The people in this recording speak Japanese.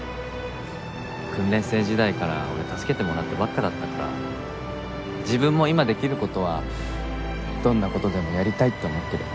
訓練生時代から俺助けてもらってばっかだったから自分も今できる事はどんな事でもやりたいって思ってる。